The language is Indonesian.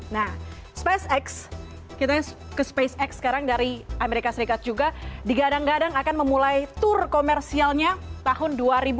nah spacex kita ke spacex sekarang dari amerika serikat juga digadang gadang akan memulai tour komersialnya tahun dua ribu dua puluh